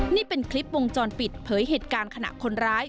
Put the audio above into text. นี่เป็นคลิปวงจรปิดเผยเหตุการณ์ขณะคนร้าย